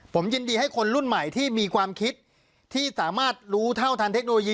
ผมยินดีให้คนรุ่นใหม่ที่มีความคิดที่สามารถรู้เท่าทันเทคโนโลยี